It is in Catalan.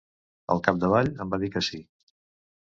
Al capdavall em va dir que sí.